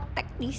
tidak ada apa apa